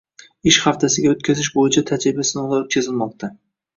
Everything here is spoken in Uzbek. Ish haftasiga o‘tkazish bo‘yicha tajriba-sinovlar o‘tkazilmoqda.